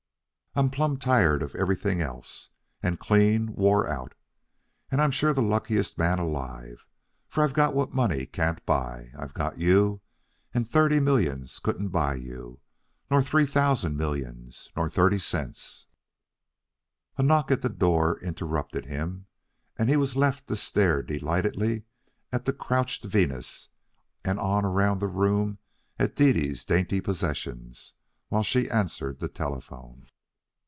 I'm plumb tired of everything else, and clean wore out. And I'm sure the luckiest man alive, for I've got what money can't buy. I've got you, and thirty millions couldn't buy you, nor three thousand millions, nor thirty cents " A knock at the door interrupted him, and he was left to stare delightedly at the Crouched Venus and on around the room at Dede's dainty possessions, while she answered the telephone.